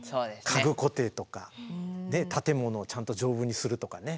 家具固定とか建物をちゃんと丈夫にするとかね。